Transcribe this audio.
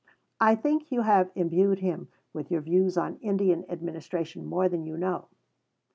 I think you have imbued him with your views on Indian administration more than you know.